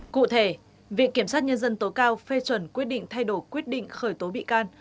cụ thể viện kiểm sát nhân dân tối cao phê chuẩn quyết định thay đổi quyết định khởi tố bị can